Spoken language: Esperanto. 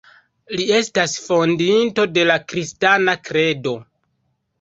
Li estas Fondinto de la Kristana Kredo.